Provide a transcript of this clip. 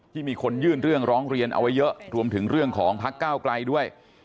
มีคนยื่นเรื่องร้องเรียนเอาไว้เยอะรวมถึงเรื่องของพักก้าวไกลด้วย